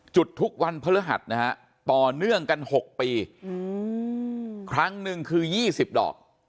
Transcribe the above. จุดทุกวันพฤหัสนะฮะต่อเนื่องกัน๖ปีครั้งหนึ่งคือ๒๐ดอก